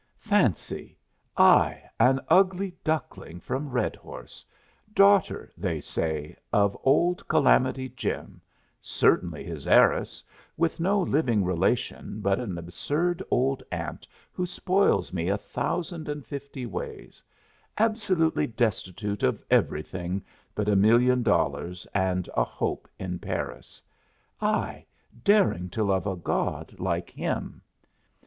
Fancy! I, an ugly duckling from Redhorse daughter (they say) of old Calamity Jim certainly his heiress, with no living relation but an absurd old aunt who spoils me a thousand and fifty ways absolutely destitute of everything but a million dollars and a hope in Paris, I daring to love a god like him!